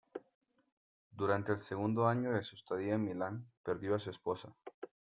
Durante el segundo año de su estadía en Milán, perdió a su esposa.